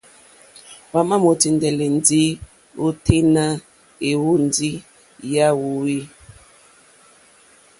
Hwámà mòtíndɛ́lɛ́ ndí ôténá ɛ̀hwɔ̀ndí yá hwōhwê.